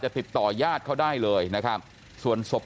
จะติดต่อญาติเขาได้เลยนะครับ